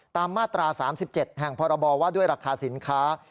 ตามมาตรา๓๗แห่งพรบว่าด้วยราคาสินค้า